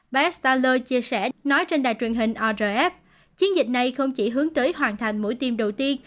bas taler chia sẻ nói trên đài truyền hình orf chiến dịch này không chỉ hướng tới hoàn thành mũi tiêm đầu tiên